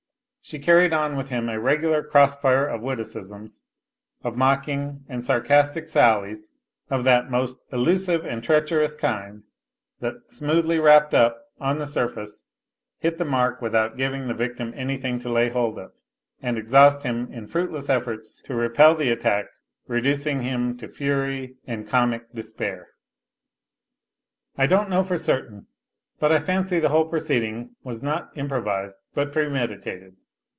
She carried on with him a regular cross fire of witticisms, of mocking and sarcastic sallies, of thai most illusive and treacherous kind that, smoothly wrapped up on the surface, hit the mark without giving the victim anything to lay hold of, and exhaust him in fruitless efforts to repel the attack, reducing him to fury and comic despair. I don't know for certain, but I fancy the whole proceeding was not improvised but premeditated.